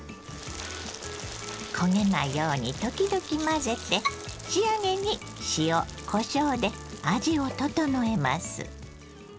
焦げないように時々混ぜて仕上げに塩こしょうで味を調えます。